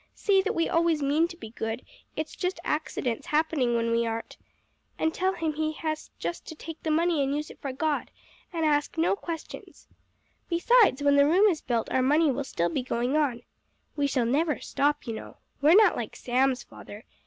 Say that we always mean to be good, it's just accidents happening when we aren't. And tell him he has just to take the money and use it for God, and ask no questions. Because, when the room is built our money will still be going on. We shall never stop, you know. We're not like Sam's father.